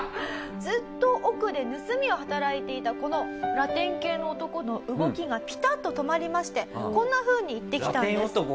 ずっと奥で盗みを働いていたこのラテン系の男の動きがピタッと止まりましてこんなふうに言ってきたんです。